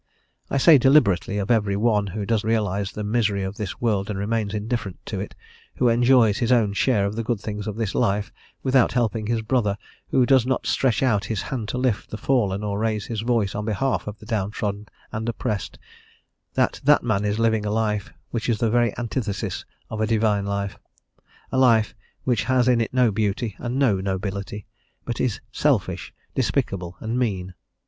I say, deliberately, of every one who does realise the misery of this world and remains indifferent to it, who enjoys his own share of the good things of this life, without helping his brother, who does not stretch out his hand to lift the fallen, or raise his voice on behalf of the down trodden and oppressed, that that man is living a life which is the very antithesis of a Divine life a life which has in it no beauty and no nobility, but is selfish, despicable, and mean.